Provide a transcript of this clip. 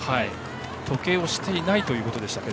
時計をしていないということでしたが。